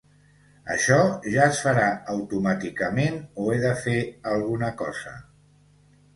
Això ja es farà automàticament o he de fer alguna cosa?